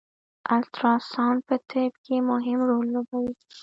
الټراساونډ په طب کی مهم رول لوبوي